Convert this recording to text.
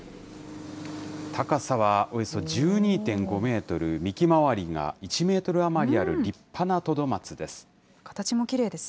高さはおよそ１２．５メートル、幹周りが１メートル余りある立派なトドマツです。